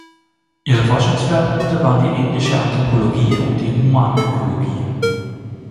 Ihre Forschungsschwerpunkte waren die ethnische Anthropologie und die Humanökologie.